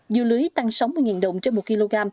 dưa lưới tăng sáu mươi đồng trên một kg